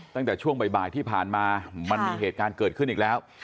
ตั้งแต่ช่วงบ่ายที่ผ่านมามันมีเหตุการณ์เกิดขึ้นอีกแล้ว